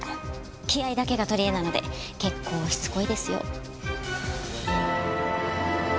気合だけが取りえなので結構しつこいですよ。